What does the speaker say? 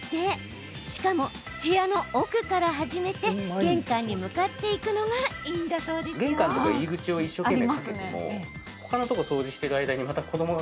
しかも、部屋の奥から始めて玄関に向かっていくのがいいんですって。